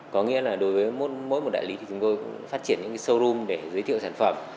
có nghĩa là đối với mỗi một đại lý thì chúng tôi cũng phát triển những showroom để giới thiệu sản phẩm